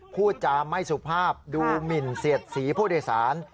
พูดจาไม่สุภาพดูหมินเสียดสีผู้โดยสาร